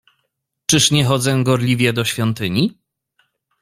"Czyż nie chodzę gorliwie do świątyni?"